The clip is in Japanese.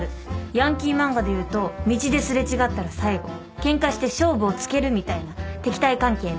ヤンキー漫画で言うと道で擦れ違ったら最後ケンカして勝負をつけるみたいな敵対関係ね。